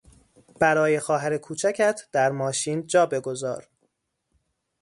برای خواهر کوچکت در ماشین جا بگذار!